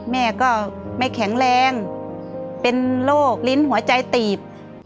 แม่ก็ไม่แข็งแรงเป็นโรคลิ้นหัวใจตีบ